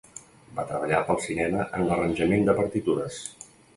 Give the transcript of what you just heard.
Va treballar pel cinema en l'arranjament de partitures.